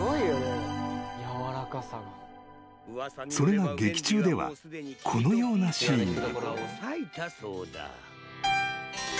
［それが劇中ではこのようなシーンに］